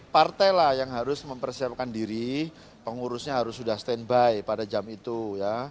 partai lah yang harus mempersiapkan diri pengurusnya harus sudah standby pada jam itu ya